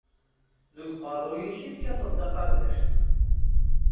Deg uqerru-k i tekkateḍ taqabact.